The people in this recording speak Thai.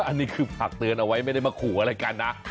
อันนี้คือฝากเตือนเอาไว้ไม่ได้มาขู่อะไรกันนะ